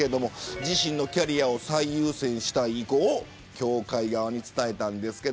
自身のキャリアを最優先したい意向を協会側に伝えました。